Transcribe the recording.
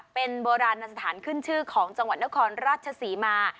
เป็นโบราณสถานขึ้นชื่อของจังหวัดนครราชศรีมา